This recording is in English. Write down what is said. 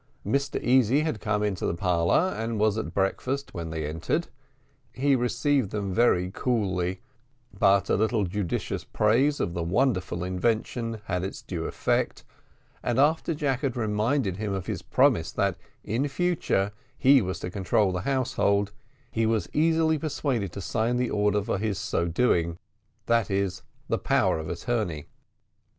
Mr Easy had come into the parlour, and was at breakfast when they entered. He received them very coolly; but a little judicious praise of the wonderful invention had its due effect; and after Jack had reminded him of his promise that in future he was to control the household, he was easily persuaded to sign the order for his so doing that is, the power of attorney.